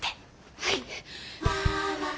はい。